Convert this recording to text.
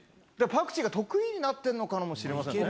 パクチーが得意になってるのかもしれませんね。